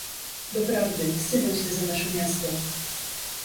"Doprawdy, wstydzę się za nasze miasto!..."